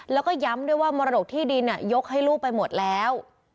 แล้วก็ย้ำด้วยว่ามรดกที่ดินยกให้ลูกไปหมดแล้ว